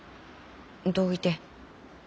どういて？